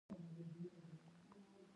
منی د افغانستان د طبیعي زیرمو برخه ده.